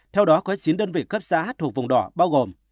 theo đó có chín đơn vị cấp xã thuộc vùng đỏ bao gồm